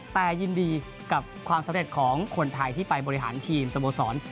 แต่ยินดีกับความสำเร็จของคนไทยที่ไปบริหารทีมสโมสร